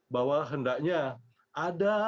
bahwa hendaknya ada